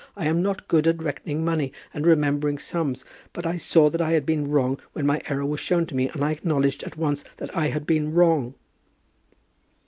I am not good at reckoning money and remembering sums; but I saw that I had been wrong when my error was shown to me, and I acknowledged at once that I had been wrong."